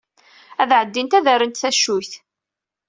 Ad ɛeddint ad rrent tacuyt.